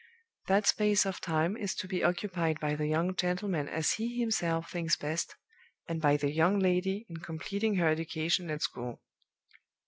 That space of time is to be occupied by the young gentleman as he himself thinks best, and by the young lady in completing her education at school.